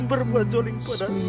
berbuat joling pada saya